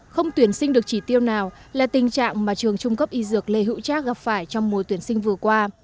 không tuyển sinh được chỉ tiêu nào là tình trạng mà trường trung cấp y dược lê hữu trác gặp phải trong mùa tuyển sinh vừa qua